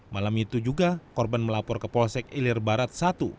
malam itu juga korban melapor ke polsek ilir barat satu